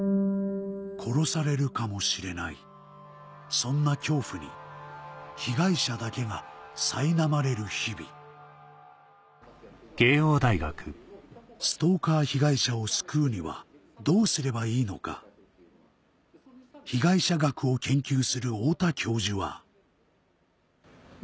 そんな恐怖に被害者だけがさいなまれる日々ストーカー被害者を救うにはどうすればいいのか被害者学を研究する太田教授は結局。